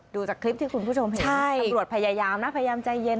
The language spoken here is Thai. ดูจากคลิปที่คุณผู้ชมเห็นตำรวจพยายามนะพยายามใจเย็น